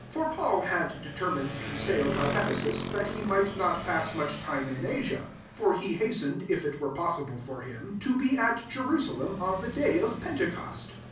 16 For Paul had determined to sail by Ephe sus, that he might not pass much time in Asia ; for he has tened, if it were possible for him, to be at Jerusalem on the day of Pentecost.